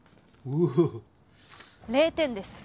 ０点です。